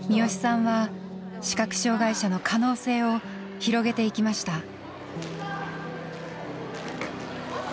視良さんは視覚障害者の可能性を広げていきました。